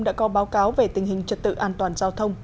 đã có báo cáo về tình hình trật tự an toàn giao thông